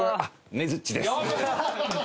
ねづっちです！